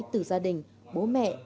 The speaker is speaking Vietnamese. từ gia đình bố mẹ